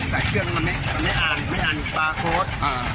แต่เครื่องมันไม่อ่านไม่อ่านสปาร์โค้ด